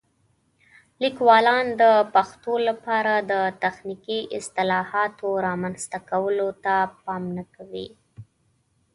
لیکوالان د پښتو لپاره د تخنیکي اصطلاحاتو رامنځته کولو ته پام نه کوي.